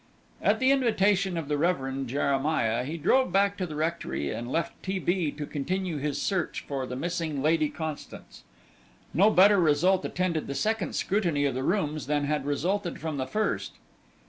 At the invitation of the Reverend Jeremiah he drove back to the rectory, and left T. B. to continue his search for the missing Lady Constance. No better result attended the second scrutiny of the rooms than had resulted from the first.